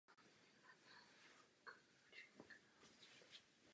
V prvních dnech mobilizace byla veškerá letecká doprava přerušena.